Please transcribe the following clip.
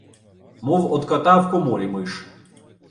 Мов од кота в коморі миш.